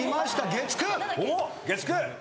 月９。